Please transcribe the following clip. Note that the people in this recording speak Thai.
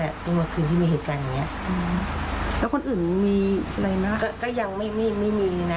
แล้วคนอื่นยังมีในมียังไม่มีนะ